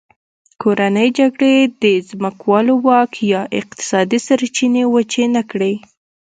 کورنۍ جګړې د ځمکوالو واک یا اقتصادي سرچینې وچې نه کړې.